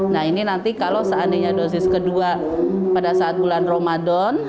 nah ini nanti kalau seandainya dosis kedua pada saat bulan ramadan